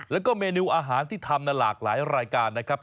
แล้วก็เมนูอาหารที่ทำหลากหลายรายการนะครับ